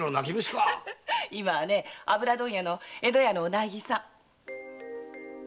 今は油問屋・江戸屋のお内儀さん。